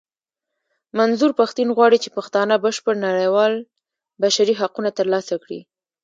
منظور پښتين غواړي چې پښتانه بشپړ نړېوال بشري حقونه ترلاسه کړي.